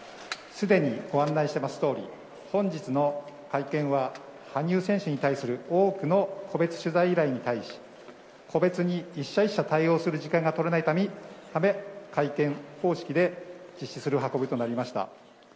すでにご案内していますとおり、本日の会見は、羽生選手に対する多くの個別取材依頼に対し、個別に一社一社対応する時間が取れないため、会見方式で実施する運びとなりました。